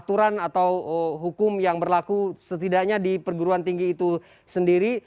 aturan atau hukum yang berlaku setidaknya di perguruan tinggi itu sendiri